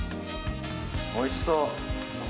おいしそう！